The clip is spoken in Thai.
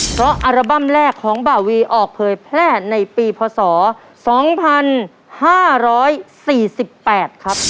เพราะอัลบั้มแรกของบ่าวีออกเผยแพร่ในปีพศ๒๕๔๘ครับ